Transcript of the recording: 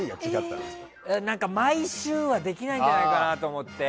毎週はできないんじゃないかなと思って。